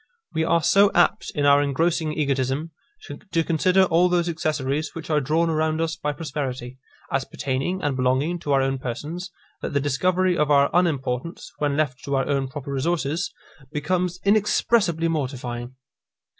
We are so apt, in our engrossing egotism, to consider all those accessories which are drawn around us by prosperity, as pertaining and belonging to our own persons, that the discovery of our unimportance, when left to our own proper resources, becomes inexpressibly mortifying.